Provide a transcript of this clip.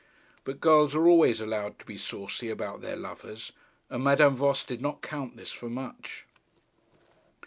But girls are always allowed to be saucy about their lovers, and Madame Voss did not count this for much.